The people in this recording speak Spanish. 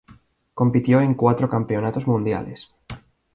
Compitió en cuatro campeonatos mundiales.